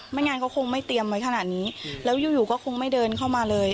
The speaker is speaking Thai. งานเขาคงไม่เตรียมไว้ขนาดนี้แล้วอยู่อยู่ก็คงไม่เดินเข้ามาเลย